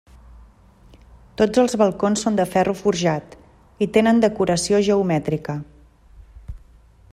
Tots els balcons són de ferro forjat i tenen decoració geomètrica.